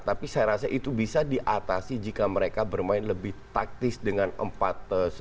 tapi saya rasa itu bisa diatasi jika mereka bermain lebih taktis dengan empat